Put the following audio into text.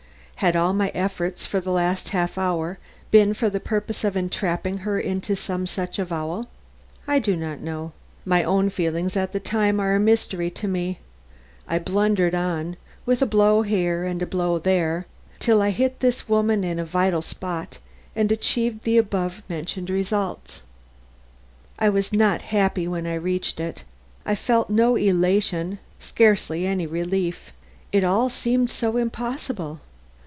Had all my efforts for the last half hour been for the purpose of entrapping her into some such avowal? I do not know. My own feelings at the time are a mystery to me; I blundered on, with a blow here and a blow there, till I hit this woman in a vital spot, and achieved the above mentioned result. I was not happy when I reached it. I felt no elation; scarcely any relief. It all seemed so impossible.